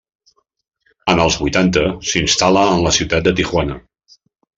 En els vuitanta s'instal·la en la ciutat de Tijuana.